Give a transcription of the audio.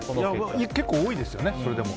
結構、多いですよね。